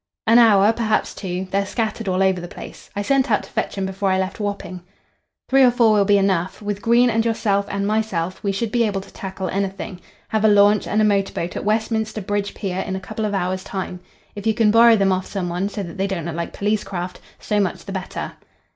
"An hour, perhaps two. They're scattered all over the place. I sent out to fetch 'em before I left Wapping." "Three or four will be enough. With Green and yourself and myself we should be able to tackle anything. Have a launch and a motor boat at Westminster Bridge Pier in a couple of hours' time. If you can borrow them off some one, so that they don't look like police craft, so much the better."